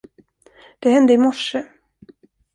Det hände i morse.